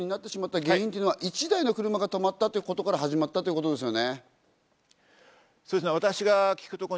阿部さん、立ち往生になってしまった原因は１台の車が止まったことから始まったということですね。